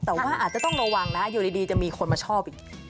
แต่ว่าอาจจะต้องระวังนะอยู่ดีจะมีคนมาชอบอีก